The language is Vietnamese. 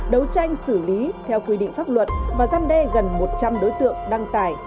đấu tranh xử lý theo quy định pháp luật và gian đe gần một trăm linh đối tượng đăng tải